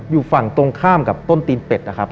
อยู่ฝั่งตรงข้ามกับต้นตีนเป็ดนะครับ